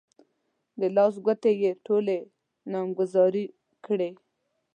د لاس ګوتې يې ټولې نامګذاري کړې.